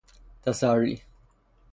تسری